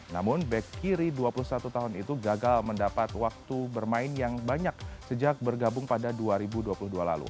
namun back kiri dua puluh satu tahun itu gagal mendapat waktu bermain yang banyak sejak bergabung pada dua ribu dua puluh dua lalu